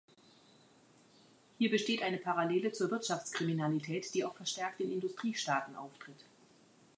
Hier besteht eine Parallele zur Wirtschaftskriminalität, die auch verstärkt in Industriestaaten auftritt.